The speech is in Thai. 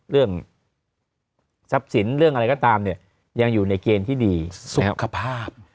เรื่องทรัพย์สินเรื่องอะไรก็ตามเนี่ยยังอยู่ในเกณฑ์ที่ดีสุขภาพ